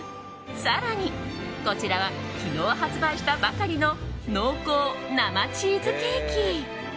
更に、こちらは昨日発売したばかりの濃厚生チーズケーキ。